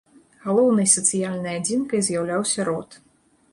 Галоўнай сацыяльнай адзінкай з'яўляўся род.